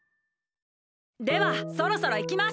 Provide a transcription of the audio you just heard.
ではそろそろいきます！